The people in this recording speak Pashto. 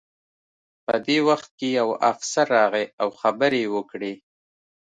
په دې وخت کې یو افسر راغی او خبرې یې وکړې